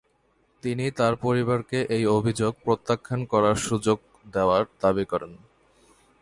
তিনি তার পরিবারকে এই অভিযোগ প্রত্যাখ্যান করার সুযোগ দেওয়ার দাবি করেন।